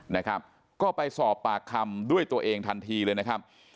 นะครับก็ไปสอบปากคำด้วยตัวเองทันทีเลยนะครับ